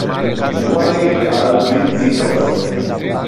Guai al vincitos.